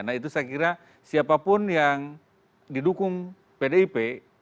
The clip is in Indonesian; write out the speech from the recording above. nah itu saya kira siapapun yang didukung pdip